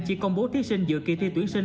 chỉ công bố thí sinh dự kỳ thi tuyển sinh